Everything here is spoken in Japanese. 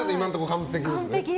完璧です。